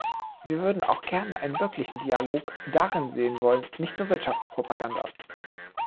Wir würden auch gern einen wirklichen Dialog darin sehen wollen, nicht nur Wirtschaftspropaganda.